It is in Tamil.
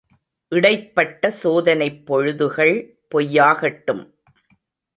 – இடைப்பட்ட சோதனைப் பொழுதுகள் பொய்யாகட்டும்!